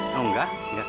oh enggak enggak